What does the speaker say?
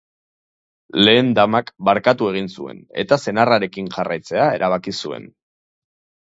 Lehen damak barkatu egin zuen, eta senarrarekin jarraitzea erabaki zuen.